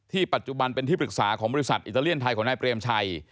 ปัจจุบันเป็นที่ปรึกษาของบริษัทอิตาเลียนไทยของนายเปรมชัย